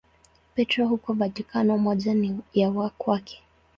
Petro huko Vatikano, moja ni ya kwake.